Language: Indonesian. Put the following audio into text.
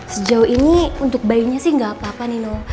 sejauh ini untuk bayinya sih gak apa apa nino